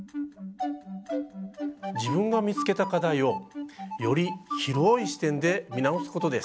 自分が見つけた課題をより広い視点で見直すことです。